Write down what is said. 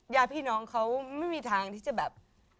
ญาติพี่น้องเขาไม่มีทางที่จะแบบ